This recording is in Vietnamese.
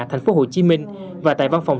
thành phố hồ chí minh và tại văn phòng